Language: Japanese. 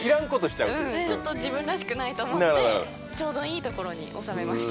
ちょっと自分らしくないと思ってちょうどいいところに収めました。